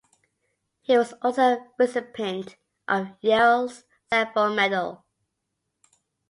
He was also a recipient of Yale's Sanford Medal.